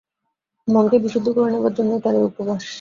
মনকে বিশুদ্ধ করে নেবার জন্যেই তার এই উপবাস।